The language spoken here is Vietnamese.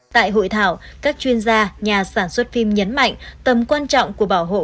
tại hội thảo các chuyên gia nhà sản xuất phim nhấn mạnh tầm quan trọng của bảo hộ